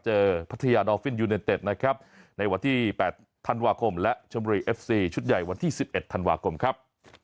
เจอพัทยานะครับในวันที่แปดธันวาคมและชมบุรีชุดใหญ่วันที่สิบเอ็ดธันวาคมครับ